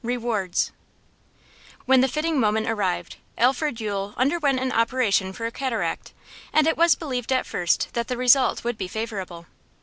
REWARDS When the fitting moment arrived, Alfred Yule underwent an operation for cataract, and it was believed at first that the result would be favourable.